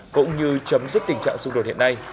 cũng như chấm dứt tình trạng xung đột hiện nay